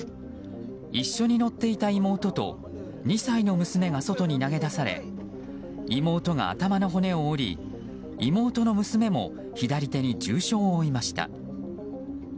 一緒に乗っていた妹と２歳の娘が外に投げ出され妹が頭の骨を折り、妹の娘も左手に重傷を負いました。